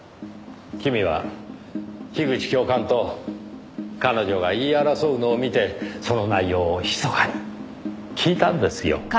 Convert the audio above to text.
君は樋口教官と彼女が言い争うのを見てその内容をひそかに聞いたんですよ。